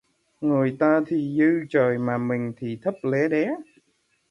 Người ta thì dư trời mà mình thì thấp lé đè